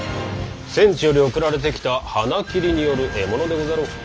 戦地より送られてきた鼻切りによる獲物でござろう。